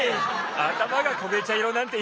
あたまがこげちゃいろなんて